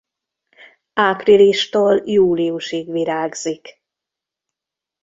Áprilistól júliusig virágzik.